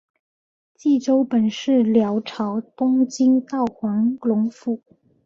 济州本是辽朝东京道黄龙府。